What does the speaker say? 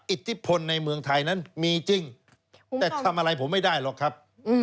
อิทธิพลในเมืองไทยนั้นมีจริงแต่ทำอะไรผมไม่ได้หรอกครับ